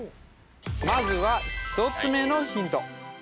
まずは１つ目のヒント